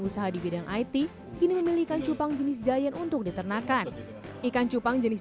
usaha di bidang it kini memilih ikan cupang jenis giant untuk diternakan ikan cupang jenis